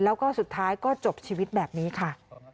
แล้วก็สุดท้ายก็จบชีวิตแบบนี้ค่ะ